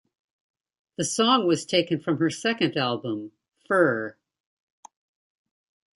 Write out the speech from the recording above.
The song was taken from her second album, "Fur".